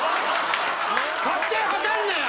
勝手に量んなよ。